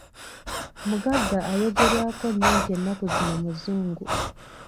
Mugagga ayogerwako nnyo nti ennaku zino muzungu.